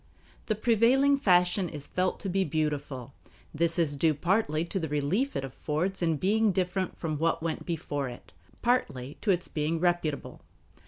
The prevailing fashion is felt to be beautiful. This is due partly to the relief it affords in being different from what went before it, partly to its being reputable.